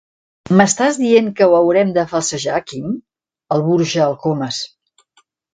M'estàs dient que ho haurem de falsejar, Quim? —el burxa el Comas.